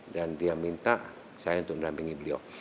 dan dia minta saya untuk melampingi beliau